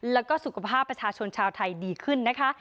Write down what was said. แล้วก็สุขภาพประชาชนชาวไทยดีขึ้นนะคะ